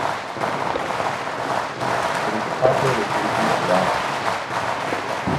It is a popular location for rafting.